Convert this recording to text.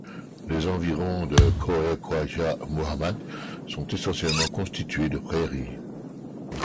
Les environs de Kōh-e Khwājah Muḩammad sont essentiellement constitués de prairies.